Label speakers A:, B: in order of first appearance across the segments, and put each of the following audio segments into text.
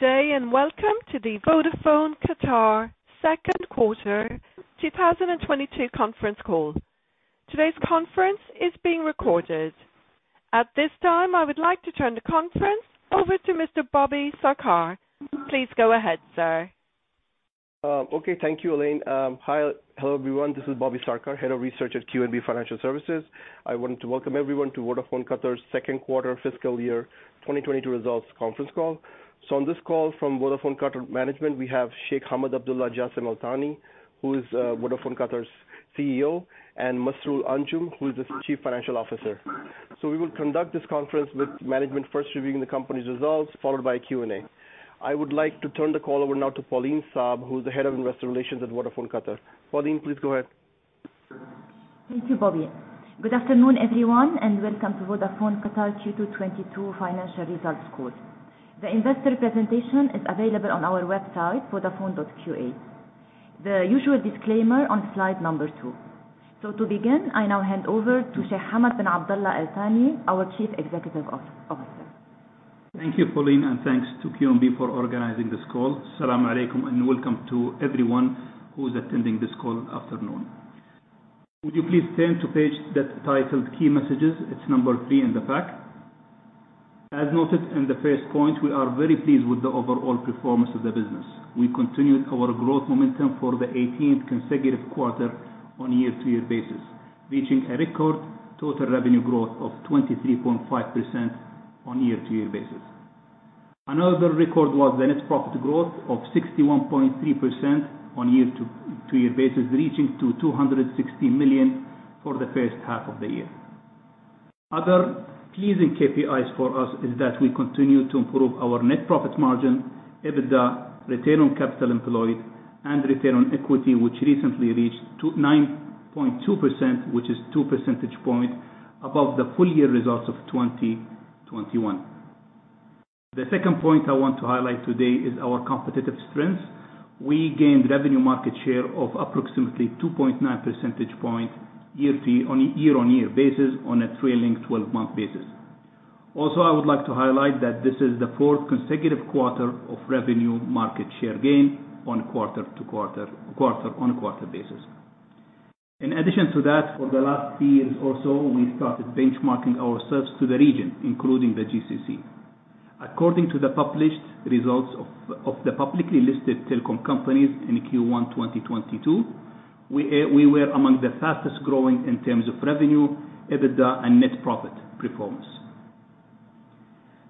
A: Good day and welcome to the Vodafone Qatar’s Second Quarter 2022 Conference Call. Today's conference is being recorded. At this time, I would like to turn the conference over to Mr. Bobby Sarkar. Please go ahead, sir.
B: Thank you, Elaine. Hello, everyone. This is Bobby Sarkar, Head of Research at QNB Financial Services. I want to welcome everyone to Vodafone Qatar's Second Quarter Fiscal Year 2022 Results Conference Call. On this call from Vodafone Qatar’s management, we have Sheikh Hamad Abdulla Jassim Al-Thani, who is Vodafone Qatar's CEO, and Masroor Anjum, who is the Chief Financial Officer. We will conduct this conference with management first reviewing the company's results, followed by a Q&A. I would like to turn the call over now to Pauline Saab, who is the Head of Investor Relations at Vodafone Qatar. Pauline, please go ahead.
C: Thank you, Bobby. Good afternoon, everyone, and welcome to Vodafone Qatar Q2 2022 financial results call. The investor presentation is available on our website, vodafone.qa. The usual disclaimer on slide number 2. To begin, I now hand over to Sheikh Hamad Abdulla Jassim Al Thani, our Chief Executive Officer.
D: Thank you, Pauline, and thanks to QNB for organizing this call. Salaam alaikum, and welcome to everyone who is attending this call this afternoon. Would you please turn to the page that's titled Key Messages. It's number three in the pack. As noted in the first point, we are very pleased with the overall performance of the business. We continued our growth momentum for the 18th consecutive quarter on a year-over-year basis, reaching a record total revenue growth of 23.5% on a year-over-year basis. Another record was the net profit growth of 61.3% on a year-over-year basis, reaching 260 million for the first half of the year. Other pleasing KPIs for us is that we continue to improve our net profit margin, EBITDA, return on capital employed, and return on equity, which recently reached 9.2%, which is two percentage points above the full year results of 2021. The second point I want to highlight today is our competitive strengths. We gained revenue market share of approximately 2.9 percentage points year-on-year on a trailing 12-month basis. Also, I would like to highlight that this is the fourth consecutive quarter of revenue market share gain on quarter-on-quarter basis. In addition to that, for the last three years also, we started benchmarking ourselves to the region, including the GCC. According to the published results of the publicly listed telecom companies in Q1 2022, we were among the fastest growing in terms of revenue, EBITDA and net profit performance.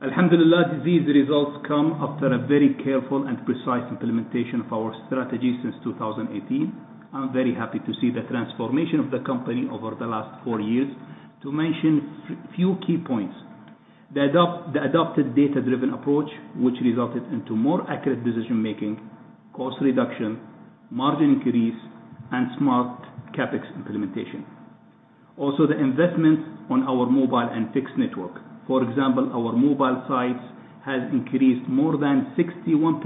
D: Alhamdulillah, these results come after a very careful and precise implementation of our strategy since 2018. I'm very happy to see the transformation of the company over the last four years. To mention few key points, the adopted data-driven approach, which resulted into more accurate decision-making, cost reduction, margin increase, and smart CapEx implementation. Also, the investments on our mobile and fixed network. For example, our mobile sites has increased more than 61%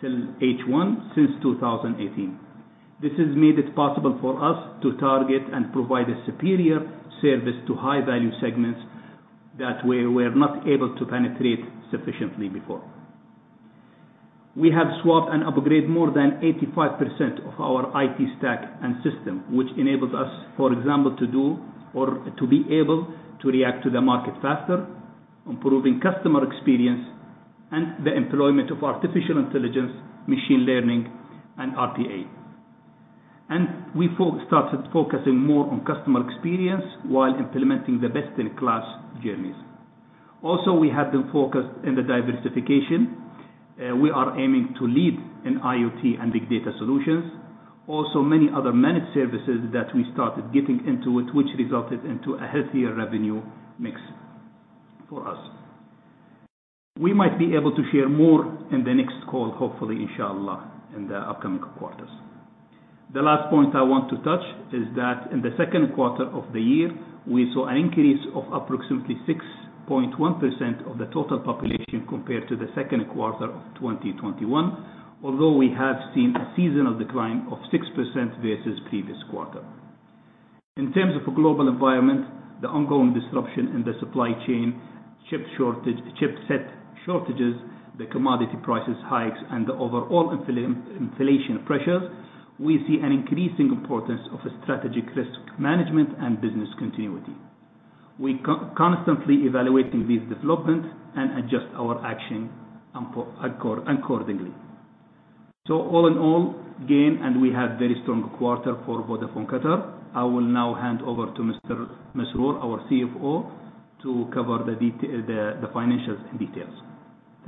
D: till H1 since 2018. This has made it possible for us to target and provide a superior service to high value segments that we were not able to penetrate sufficiently before. We have swapped and upgraded more than 85% of our IT stack and system, which enables us, for example, to do or to be able to react to the market faster, improving customer experience and the deployment of artificial intelligence, machine learning, and RPA. We started focusing more on customer experience while implementing the best-in-class journeys. Also, we have been focused on the diversification. We are aiming to lead in IoT and big data solutions. Also many other managed services that we started getting into it, which resulted in a healthier revenue mix for us. We might be able to share more in the next call, hopefully, Inshallah, in the upcoming quarters. The last point I want to touch is that in the second quarter of the year, we saw an increase of approximately 6.1% of the total population compared to the second quarter of 2021, although we have seen a seasonal decline of 6% versus previous quarter. In terms of the global environment, the ongoing disruption in the supply chain, chip shortage, chipset shortages, the commodity prices hikes, and the overall inflation pressures, we see an increasing importance of a strategic risk management and business continuity. We constantly evaluating these developments and adjust our action accordingly. All in all, again, and we have very strong quarter for Vodafone Qatar. I will now hand over to Mr. Masroor, our CFO, to cover the financials in details.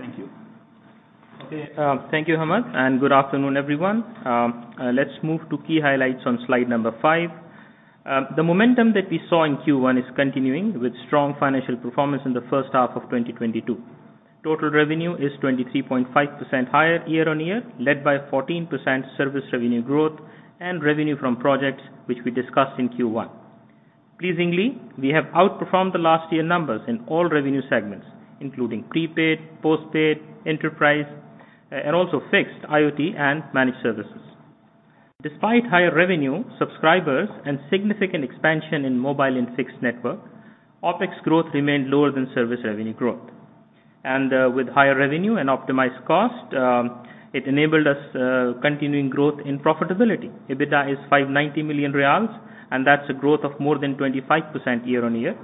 D: Thank you.
E: Okay. Thank you, Hamad, and good afternoon, everyone. Let's move to key highlights on slide number five. The momentum that we saw in Q1 is continuing with strong financial performance in the first half of 2022. Total revenue is 23.5% higher year-on-year, led by 14% service revenue growth and revenue from projects which we discussed in Q1. Pleasingly, we have outperformed the last year numbers in all revenue segments, including prepaid, postpaid, enterprise, and also fixed IoT and managed services. Despite higher revenue, subscribers, and significant expansion in mobile and fixed network, OpEx growth remained lower than service revenue growth. With higher revenue and optimized cost, it enabled us continuing growth in profitability. EBITDA is 590 million riyals, and that's a growth of more than 25% year-on-year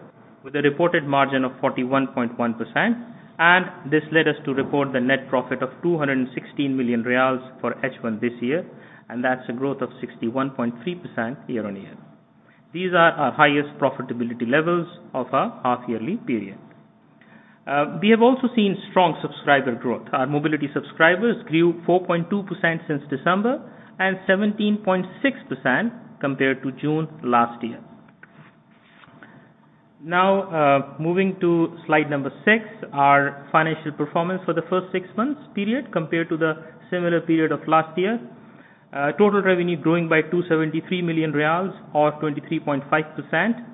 E: with a reported margin of 41.1%. This led us to report the net profit of 216 million riyals for H1 this year, and that's a growth of 61.3% year-on-year. These are our highest profitability levels of our half yearly period. We have also seen strong subscriber growth. Our mobility subscribers grew 4.2% since December and 17.6% compared to June last year. Now, moving to slide number six, our financial performance for the first six months period compared to the similar period of last year. Total revenue growing by 273 million riyals or 23.5%,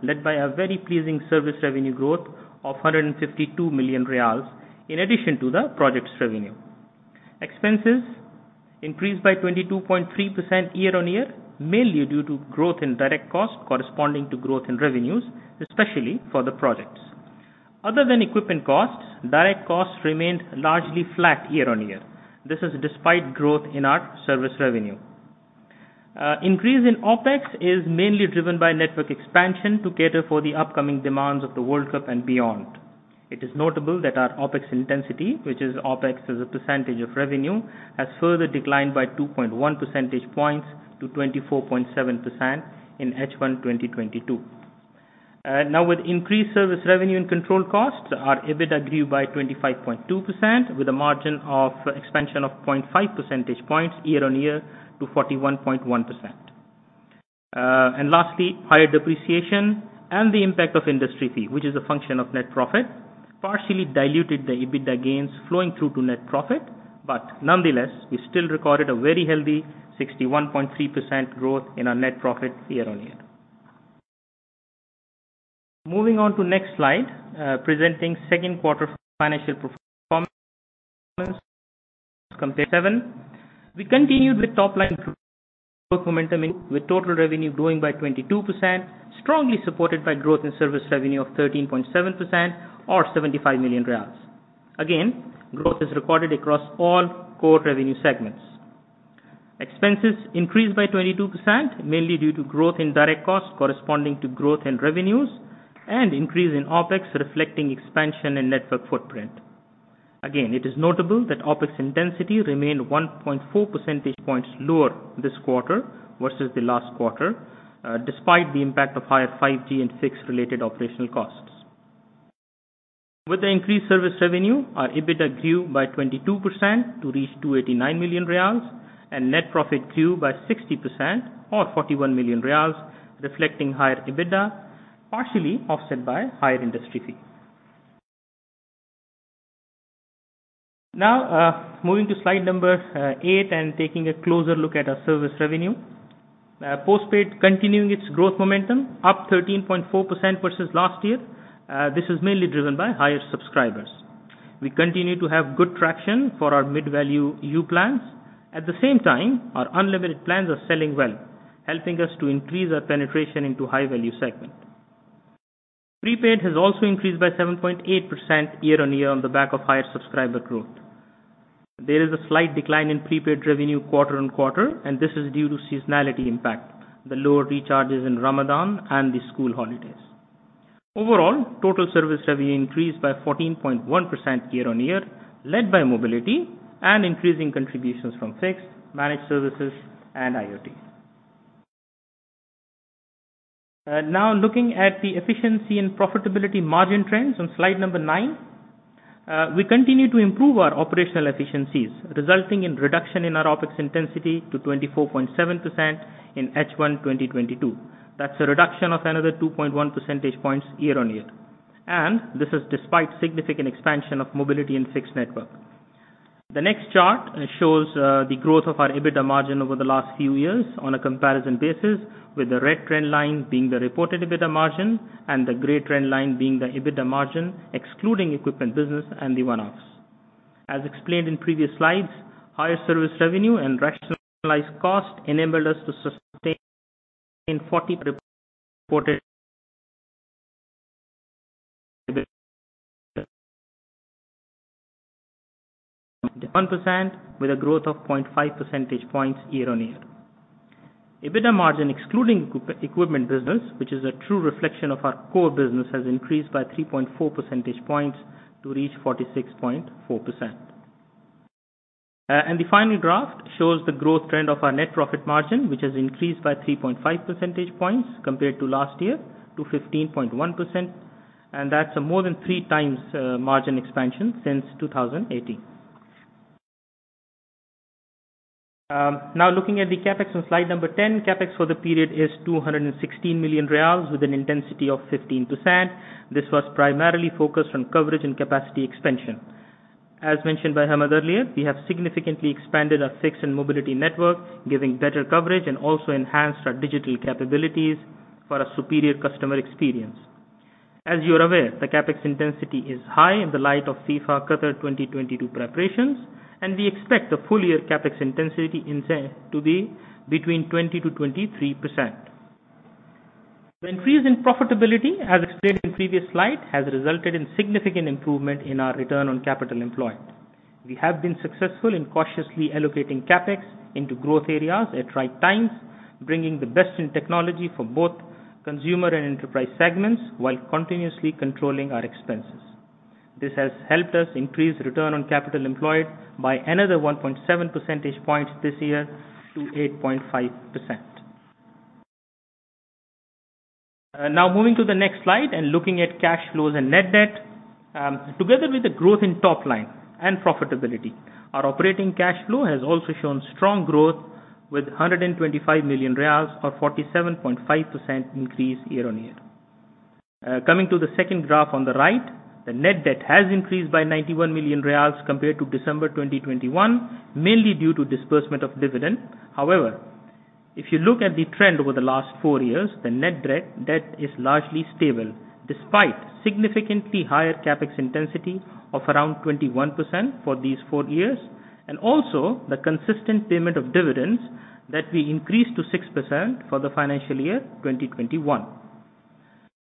E: led by a very pleasing service revenue growth of 152 million riyals in addition to the projects revenue. Expenses increased by 22.3% year-on-year, mainly due to growth in direct costs corresponding to growth in revenues, especially for the projects. Other than equipment costs, direct costs remained largely flat year-on-year. This is despite growth in our service revenue. Increase in OpEx is mainly driven by network expansion to cater for the upcoming demands of the World Cup and beyond. It is notable that our OpEx intensity, which is OpEx as a percentage of revenue, has further declined by 2.1 percentage points to 24.7% in H1 2022. Now with increased service revenue and controlled costs, our EBITDA grew by 25.2% with a margin expansion of 0.5 percentage points year-on-year to 41.1%. Lastly, higher depreciation and the impact of Industry Fee, which is a function of net profit, partially diluted the EBITDA gains flowing through to net profit. Nonetheless, we still recorded a very healthy 61.3% growth in our net profit year-on-year. Moving on to next slide, presenting second quarter financial performance compared to seven. We continued with top-line growth momentum with total revenue growing by 22%, strongly supported by growth in service revenue of 13.7% or 75 million riyals. Again, growth is recorded across all core revenue segments. Expenses increased by 22%, mainly due to growth in direct costs corresponding to growth in revenues and increase in OpEx, reflecting expansion in network footprint. Again, it is notable that OpEx intensity remained 1.4 percentage points lower this quarter versus the last quarter, despite the impact of higher 5G and fixed related operational costs. With the increased service revenue, our EBITDA grew by 22% to reach 289 million riyals, and net profit grew by 60% or 41 million riyals, reflecting higher EBITDA, partially offset by higher Industry Fee. Now, moving to slide number eight and taking a closer look at our service revenue. Postpaid continuing its growth momentum, up 13.4% versus last year. This is mainly driven by higher subscribers. We continue to have good traction for our mid-value Evo plans. At the same time, our unlimited plans are selling well, helping us to increase our penetration into high-value segment. Prepaid has also increased by 7.8% year-on-year on the back of higher subscriber growth. There is a slight decline in prepaid revenue quarter-on-quarter, and this is due to seasonality impact, the lower recharges in Ramadan and the school holidays. Overall, total service revenue increased by 14.1% year-on-year, led by mobility and increasing contributions from fixed, managed services and IoT. Now looking at the efficiency and profitability margin trends on slide number nine. We continue to improve our operational efficiencies, resulting in reduction in our OpEx intensity to 24.7% in H1 2022. That's a reduction of another 2.1 percentage points year-on-year. This is despite significant expansion of mobility in fixed network. The next chart shows the growth of our EBITDA margin over the last few years on a comparison basis, with the red trend line being the reported EBITDA margin and the gray trend line being the EBITDA margin, excluding equipment business and the one-offs. As explained in previous slides, higher service revenue and rationalized cost enabled us to sustain 40% reported with a growth of 0.5 percentage points year-on-year. EBITDA margin, excluding equipment business, which is a true reflection of our core business, has increased by 3.4 percentage points to reach 46.4%. The final graph shows the growth trend of our net profit margin, which has increased by 3.5 percentage points compared to last year to 15.1%, and that's a more than 3x margin expansion since 2018. Now looking at the CapEx on slide 10. CapEx for the period is 216 million riyals with an intensity of 15%. This was primarily focused on coverage and capacity expansion. As mentioned by Hamad earlier, we have significantly expanded our fixed and mobile network, giving better coverage and also enhanced our digital capabilities for a superior customer experience. As you're aware, the CapEx intensity is high in the light of FIFA Qatar 2022 preparations, and we expect the full year CapEx intensity in there to be between 20%-23%. The increase in profitability, as explained in previous slide, has resulted in significant improvement in our return on capital employed. We have been successful in cautiously allocating CapEx into growth areas at right times, bringing the best in technology for both consumer and enterprise segments while continuously controlling our expenses. This has helped us increase return on capital employed by another 1.7 percentage points this year to 8.5%. Now moving to the next slide and looking at cash flows and net debt. Together with the growth in top line and profitability, our operating cash flow has also shown strong growth with 125 million riyals or 47.5% increase year-on-year. Coming to the second graph on the right, the net debt has increased by 91 million riyals compared to December 2021, mainly due to disbursement of dividend. However, if you look at the trend over the last four years, the net debt is largely stable despite significantly higher CapEx intensity of around 21% for these four years and also the consistent payment of dividends that we increased to 6% for the financial year 2021.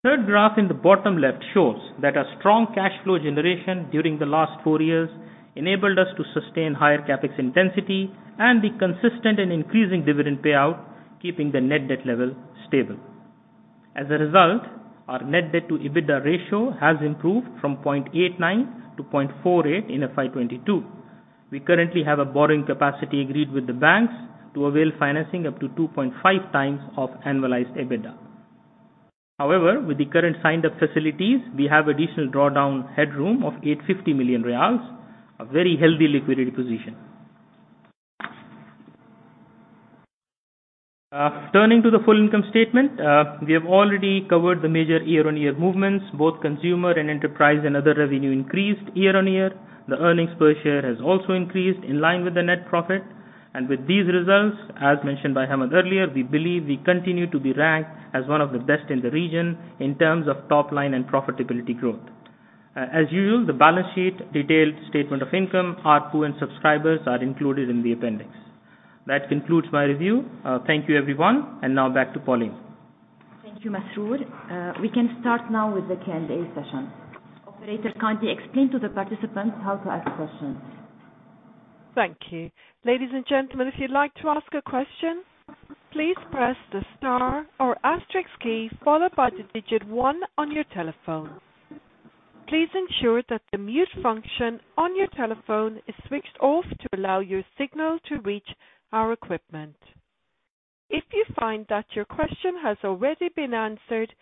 E: Third graph in the bottom left shows that our strong cash flow generation during the last four years enabled us to sustain higher CapEx intensity and the consistent and increasing dividend payout, keeping the net debt level stable. As a result, our net debt to EBITDA ratio has improved from 0.89x to 0.48x in FY 2022. We currently have a borrowing capacity agreed with the banks to avail financing up to 2.5x annualized EBITDA. However, with the current signed up facilities, we have additional drawdown headroom of 850 million riyals, a very healthy liquidity position. Turning to the full income statement, we have already covered the major year-on-year movements. Both consumer and enterprise and other revenue increased year-on-year. The earnings per share has also increased in line with the net profit. With these results, as mentioned by Hamad earlier, we believe we continue to be ranked as one of the best in the region in terms of top line and profitability growth. As usual, the balance sheet, detailed statement of income, ARPU and subscribers are included in the appendix. That concludes my review. Thank you everyone. Now back to Pauline.
C: Thank you, Masroor. We can start now with the Q&A session. Operator, kindly explain to the participants how to ask questions.
A: Thank you. Ladies and gentlemen, if you'd like to ask a question, please press the star or asterisk key followed by the digit one on your telephone. Please ensure that the mute function on your telephone is switched off to allow your signal to reach our equipment. If you find that your question has already been answered,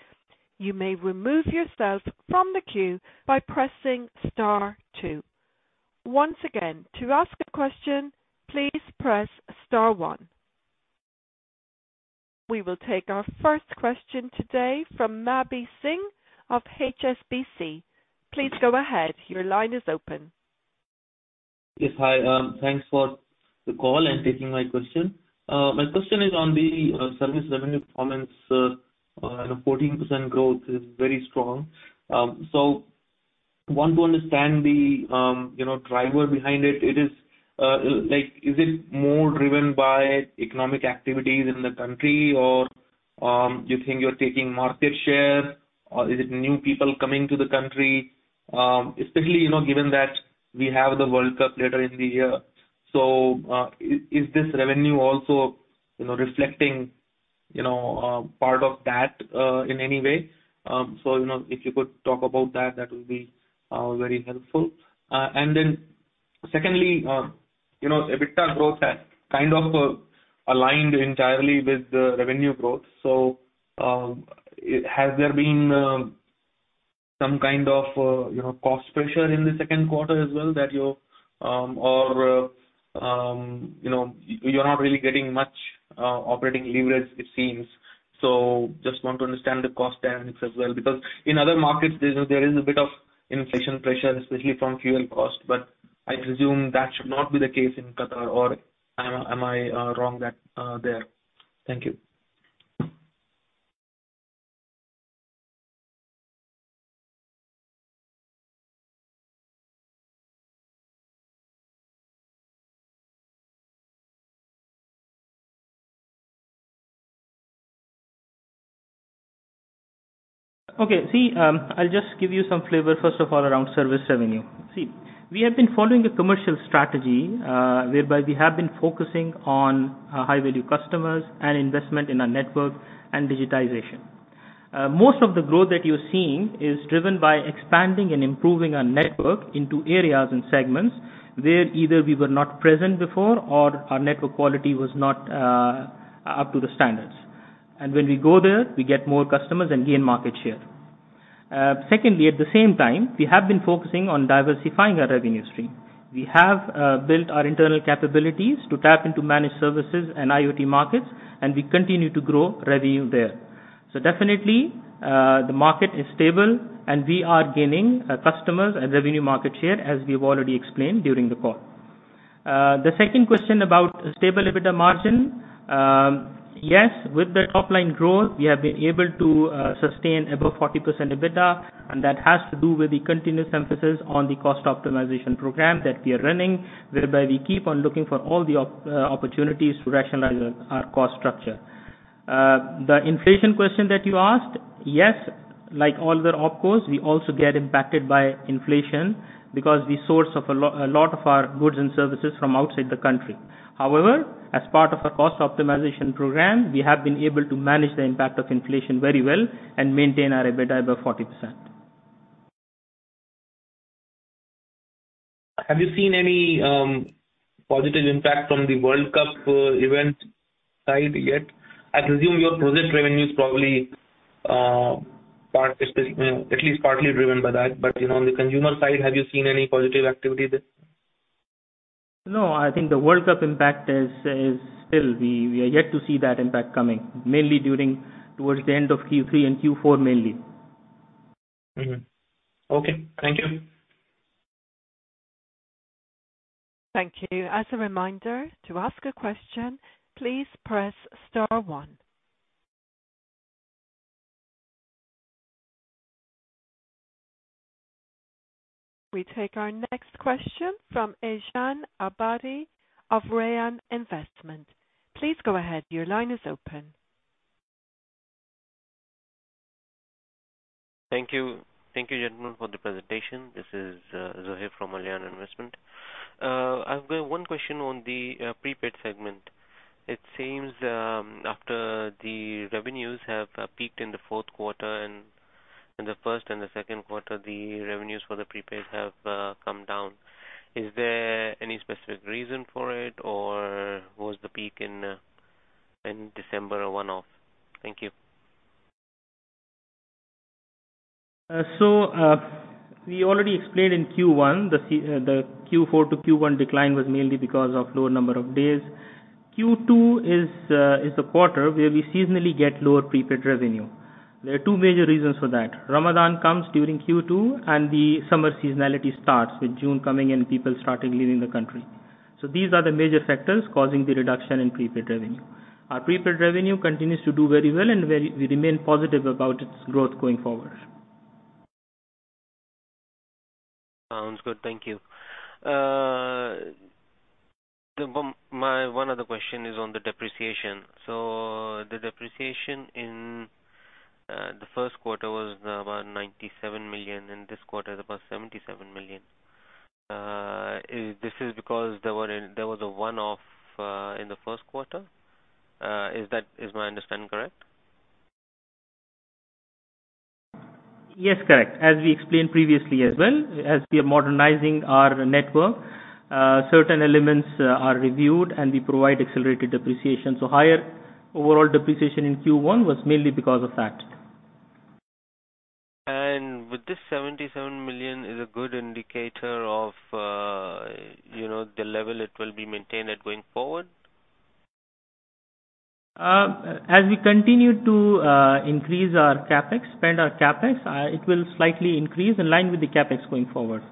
A: you may remove yourself from the queue by pressing star two. Once again, to ask a question, please press star one. We will take our first question today from Madhvendra Singh of HSBC. Please go ahead. Your line is open.
F: Yes. Hi, thanks for the call and taking my question. My question is on the service revenue performance. You know, 14% growth is very strong. Want to understand the driver behind it. It is like, is it more driven by economic activities in the country or you think you're taking market share or is it new people coming to the country, especially given that we have the World Cup later in the year? Is this revenue also reflecting part of that in any way? You know, if you could talk about that would be very helpful. Secondly, EBITDA growth has kind of aligned entirely with the revenue growth. Has there been some kind of, you know, cost pressure in the second quarter as well that you're not really getting much operating leverage it seems. Just want to understand the cost dynamics as well. Because in other markets there is a bit of inflation pressure, especially from fuel costs, but I presume that should not be the case in Qatar or am I wrong that there? Thank you.
E: Okay. See, I'll just give you some flavor first of all around service revenue. See, we have been following a commercial strategy, whereby we have been focusing on high value customers and investment in our network and digitization. Most of the growth that you're seeing is driven by expanding and improving our network into areas and segments where either we were not present before or our network quality was not up to the standards. When we go there, we get more customers and gain market share. Secondly, at the same time, we have been focusing on diversifying our revenue stream. We have built our internal capabilities to tap into managed services and IoT markets, and we continue to grow revenue there. Definitely, the market is stable and we are gaining customers and revenue market share as we've already explained during the call. The second question about stable EBITDA margin. Yes, with the top-line growth, we have been able to sustain above 40% EBITDA, and that has to do with the continuous emphasis on the cost optimization program that we are running, whereby we keep on looking for all the opportunities to rationalize our cost structure. The inflation question that you asked, yes, like all other opcos, we also get impacted by inflation because we source a lot of our goods and services from outside the country. However, as part of our cost optimization program, we have been able to manage the impact of inflation very well and maintain our EBITDA above 40%.
F: Have you seen any positive impact from the World Cup event side yet? I presume your project revenue is probably at least partly driven by that. You know, on the consumer side, have you seen any positive activity there?
E: No, I think the World Cup impact is still. We are yet to see that impact coming. Mainly towards the end of Q3 and Q4 mainly.
F: Mm-hmm. Okay. Thank you.
A: Thank you. As a reminder, to ask a question, please press star one. We take our next question from Ziad Aboujeb of Al Rayan Investment. Please go ahead. Your line is open.
G: Thank you. Thank you, gentlemen, for the presentation. This is Zohaib Pervez from Al Rayan Investment. I've got one question on the prepaid segment. It seems after the revenues have peaked in the fourth quarter and in the first and the second quarter, the revenues for the prepaid have come down. Is there any specific reason for it, or was the peak in December a one-off? Thank you.
E: We already explained in Q1, the Q4 to Q1 decline was mainly because of lower number of days. Q2 is a quarter where we seasonally get lower prepaid revenue. There are two major reasons for that. Ramadan comes during Q2, and the summer seasonality starts with June coming in, people starting leaving the country. These are the major factors causing the reduction in prepaid revenue. Our prepaid revenue continues to do very well, and we remain positive about its growth going forward.
G: Sounds good. Thank you. One other question is on the depreciation. The depreciation in the first quarter was about 97 million, and this quarter it was 77 million. This is because there was a one-off in the first quarter. Is my understanding correct?
E: Yes, correct. As we explained previously as well, as we are modernizing our network, certain elements are reviewed, and we provide accelerated depreciation. Higher overall depreciation in Q1 was mainly because of that.
G: Would this 77 million is a good indicator of, you know, the level it will be maintained at going forward?
E: As we continue to increase our CapEx spend, it will slightly increase in line with the CapEx going forward.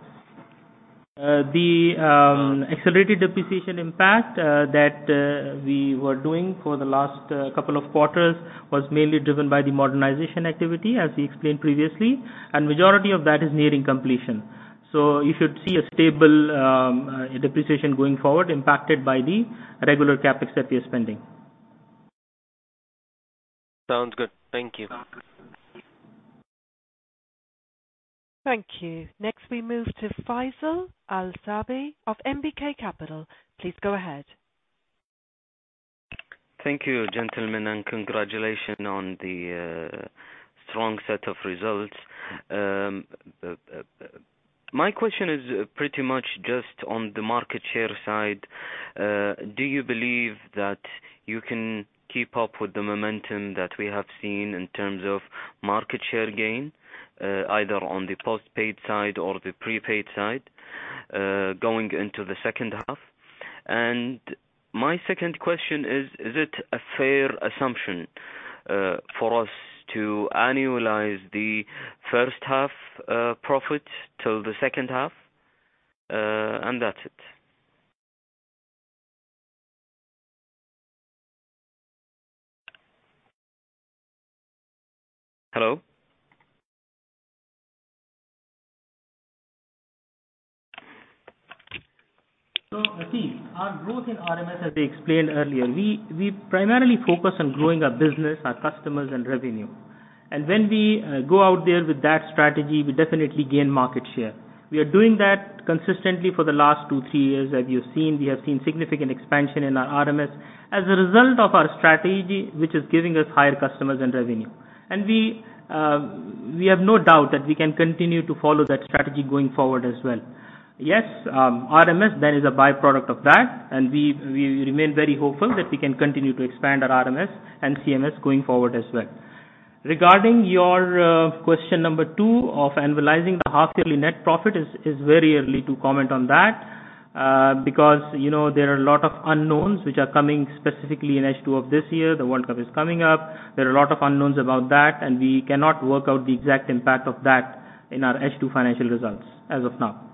E: The accelerated depreciation impact that we were doing for the last couple of quarters was mainly driven by the modernization activity, as we explained previously, and majority of that is nearing completion. You should see a stable depreciation going forward impacted by the regular CapEx that we are spending.
G: Sounds good. Thank you.
A: Thank you. Next, we move to Faisal Abdullatif of NBK Capital. Please go ahead.
H: Thank you, gentlemen, and congratulations on the strong set of results. My question is pretty much just on the market share side. Do you believe that you can keep up with the momentum that we have seen in terms of market share gain, either on the postpaid side or the prepaid side, going into the second half? My second question is it a fair assumption for us to annualize the first half profit till the second half? That's it. Hello?
E: Faisal, our growth in RMS, as I explained earlier, we primarily focus on growing our business, our customers and revenue. When we go out there with that strategy, we definitely gain market share. We are doing that consistently for the last two to three years. As you've seen, we have seen significant expansion in our RMS as a result of our strategy, which is giving us higher customers and revenue. We have no doubt that we can continue to follow that strategy going forward as well. Yes, RMS, that is a byproduct of that, and we remain very hopeful that we can continue to expand our RMS and CMS going forward as well. Regarding your question number two of annualizing the half yearly net profit is very early to comment on that, because, you know, there are a lot of unknowns which are coming specifically in H2 of this year. The World Cup is coming up. There are a lot of unknowns about that, and we cannot work out the exact impact of that in our H2 financial results as of now.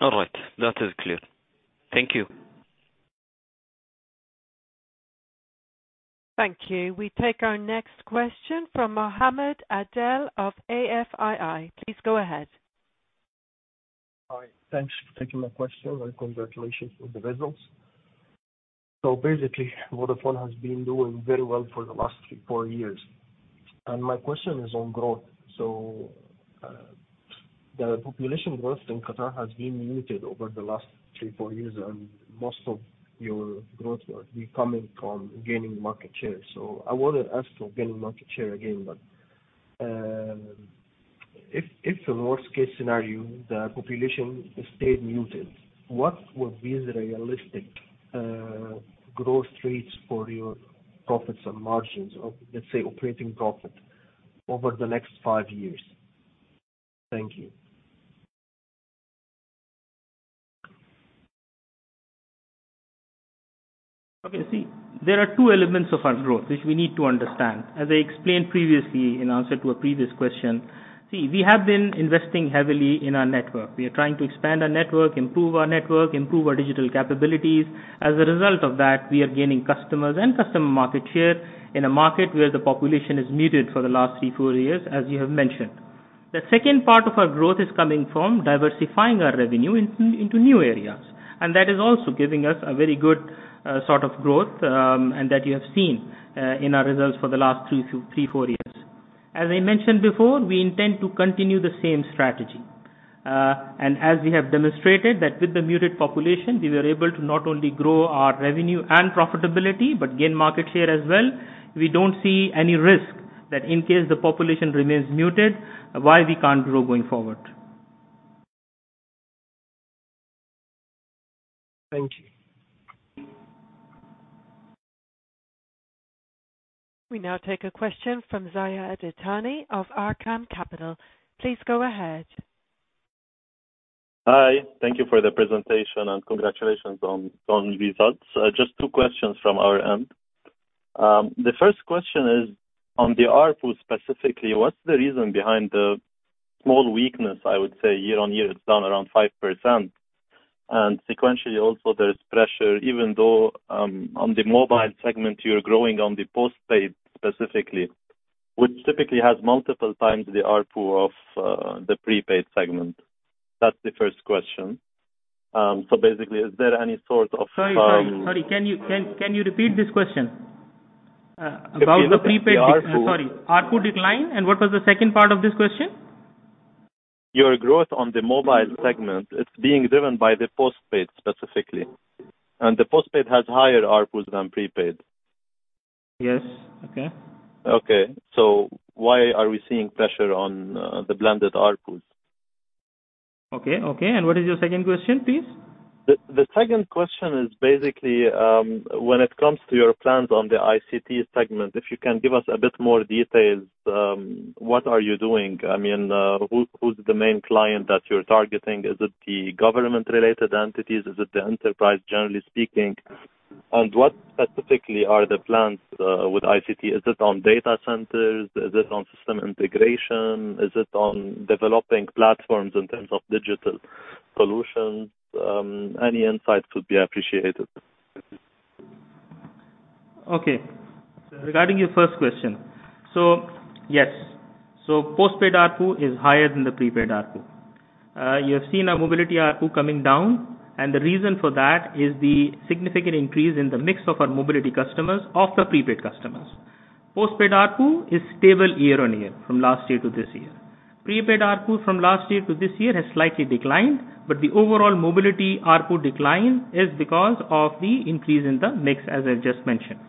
H: All right, that is clear. Thank you.
A: Thank you. We take our next question from Mohamed Adel of AFII. Please go ahead.
I: Hi, thanks for taking my question, and congratulations on the results. Basically, Vodafone has been doing very well for the last three to four years. My question is on growth. The population growth in Qatar has been muted over the last three to four years, and most of your growth will be coming from gaining market share. I wanted to ask on gaining market share again, but if the worst-case scenario, the population stayed muted, what would be the realistic growth rates for your profits and margins or let's say operating profit over the next five years? Thank you.
E: See, there are two elements of our growth which we need to understand. As I explained previously in answer to a previous question, see, we have been investing heavily in our network. We are trying to expand our network, improve our network, improve our digital capabilities. As a result of that, we are gaining customers and customer market share in a market where the population is muted for the last three, four years, as you have mentioned. The second part of our growth is coming from diversifying our revenue into new areas. That is also giving us a very good sort of growth, and that you have seen in our results for the last three, four years. As I mentioned before, we intend to continue the same strategy. As we have demonstrated that with the muted population, we were able to not only grow our revenue and profitability but gain market share as well. We don't see any risk that in case the population remains muted, why we can't grow going forward.
I: Thank you.
A: We now take a question from Ziad Itani of Arqaam Capital. Please go ahead.
J: Hi. Thank you for the presentation and congratulations on results. Just two questions from our end. The first question is on the ARPU specifically. What's the reason behind the small weakness? I would say year-on-year it's down around 5%. Sequentially also there's pressure even though on the mobile segment you're growing on the postpaid specifically, which typically has multiple times the ARPU of the prepaid segment. That's the first question. Basically, is there any sort of
E: Sorry. Can you repeat this question? About the prepaid.
J: The ARPU.
E: Sorry. ARPU decline, and what was the second part of this question?
J: Your growth on the mobile segment, it's being driven by the postpaid specifically. The postpaid has higher ARPUs than prepaid.
E: Yes. Okay.
J: Okay. Why are we seeing pressure on the blended ARPUs?
E: Okay. Okay, and what is your second question, please?
J: The second question is basically, when it comes to your plans on the ICT segment, if you can give us a bit more details, what are you doing? I mean, who's the main client that you're targeting? Is it the government-related entities? Is it the enterprise, generally speaking? What specifically are the plans with ICT? Is it on data centers? Is it on system integration? Is it on developing platforms in terms of digital solutions? Any insights would be appreciated.
E: Okay. Regarding your first question. Yes. Postpaid ARPU is higher than the prepaid ARPU. You have seen our mobility ARPU coming down, and the reason for that is the significant increase in the mix of our mobility customers to the prepaid customers. Postpaid ARPU is stable year-on-year from last year to this year. Prepaid ARPU from last year to this year has slightly declined, but the overall mobility ARPU decline is because of the increase in the mix, as I just mentioned.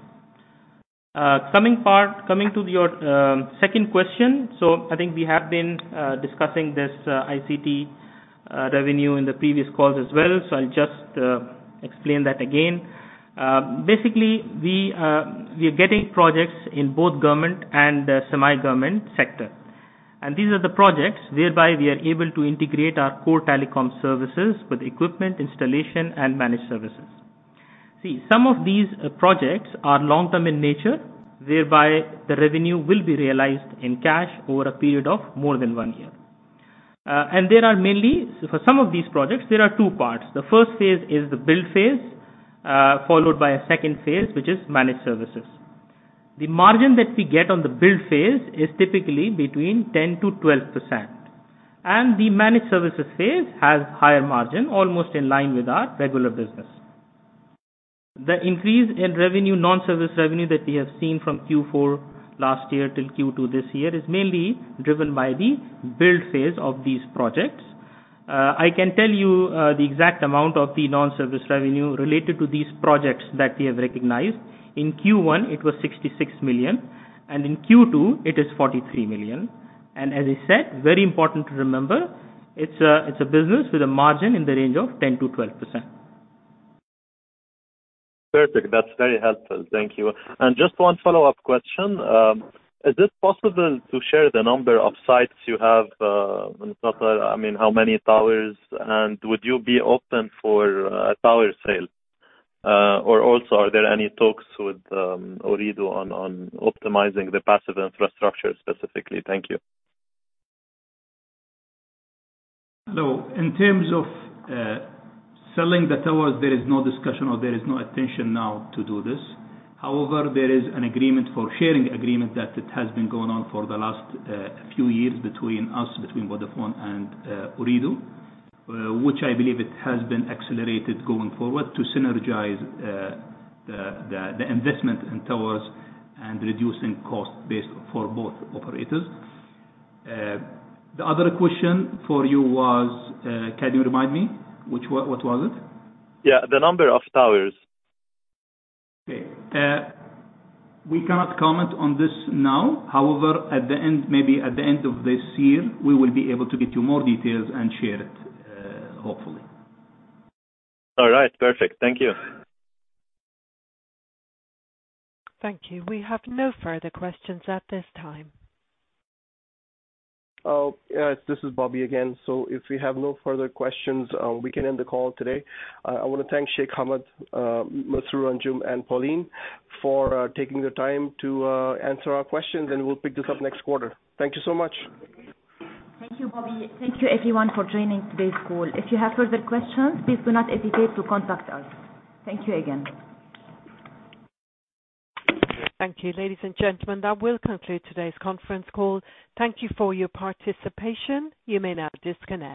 E: Coming to your second question. I think we have been discussing this ICT revenue in the previous calls as well. I'll just explain that again. Basically, we are getting projects in both government and the semi-government sector. These are the projects whereby we are able to integrate our core telecom services with equipment, installation, and managed services. See, some of these projects are long-term in nature, whereby the revenue will be realized in cash over a period of more than one year. For some of these projects, there are two parts. The first phase is the build phase, followed by a second phase, which is managed services. The margin that we get on the build phase is typically between 10%-12%, and the managed services phase has higher margin, almost in line with our regular business. The increase in revenue, non-service revenue that we have seen from Q4 last year till Q2 this year is mainly driven by the build phase of these projects. I can tell you, the exact amount of the non-service revenue related to these projects that we have recognized. In Q1, it was 66 million, and in Q2, it is 43 million. As I said, very important to remember, it's a business with a margin in the range of 10%-12%.
J: Perfect. That's very helpful. Thank you. Just one follow-up question. Is it possible to share the number of sites you have in Qatar? I mean, how many towers? Would you be open for a tower sale? Also, are there any talks with Ooredoo on optimizing the passive infrastructure specifically? Thank you.
D: In terms of selling the towers, there is no discussion or there is no intention now to do this. However, there is an agreement for sharing agreement that it has been going on for the last few years between us, between Vodafone and Ooredoo. Which I believe it has been accelerated going forward to synergize the investment in towers and reducing cost base for both operators. The other question for you was, can you remind me? Which one, what was it?
J: Yeah, the number of towers.
D: Okay. We cannot comment on this now. However, at the end, maybe at the end of this year, we will be able to get you more details and share it, hopefully.
J: All right. Perfect. Thank you.
A: Thank you. We have no further questions at this time.
B: Oh, yes. This is Bobby again. If we have no further questions, we can end the call today. I wanna thank Sheikh Hamad, Masroor Anjum, and Pauline for taking the time to answer our questions, and we'll pick this up next quarter. Thank you so much.
C: Thank you, Bobby. Thank you everyone for joining today's call. If you have further questions, please do not hesitate to contact us. Thank you again.
A: Thank you. Ladies and gentlemen, that will conclude today's conference call. Thank you for your participation. You may now disconnect.